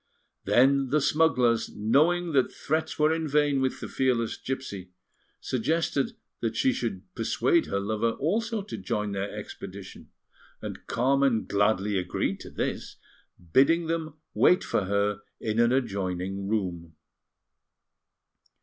Then the smugglers, knowing that threats were in vain with the fearless gipsy, suggested that she should persuade her lover also to join their expedition; and Carmen gladly agreed to this, bidding them wait for her in an adjoining room.